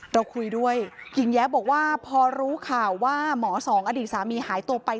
เราคุยด้วยหญิงแย้บอกว่าพอรู้ข่าวว่าหมอสองอดีตสามีหายตัวไป